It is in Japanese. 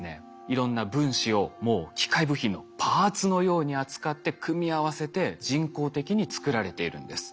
いろんな分子をもう機械部品のパーツのように扱って組み合わせて人工的に作られているんです。